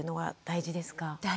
大事ですね。